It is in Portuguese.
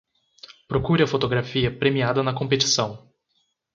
Procure a fotografia premiada na competição